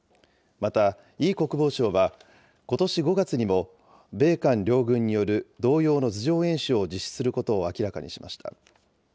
また、イ国防相はことし５月にも米韓両軍による同様の図上演習を実施することを明らかにしました。